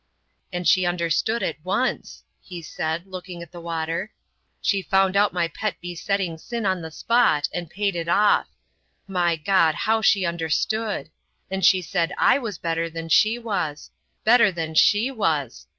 "And she understood at once," he said, looking at the water. "She found out my pet besetting sin on the spot, and paid it off. My God, how she understood! And she said I was better than she was! Better than she was!"